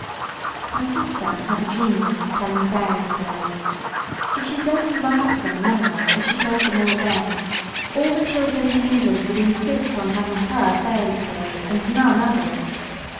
My sister had a genius for telling fairystories. If she would only write them now as she told them then, all the children in England would insist on having her fairy stories, and none others.